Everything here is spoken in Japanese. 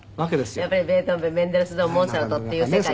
やっぱりベートーベンメンデルスゾーンモーツァルトっていう世界で。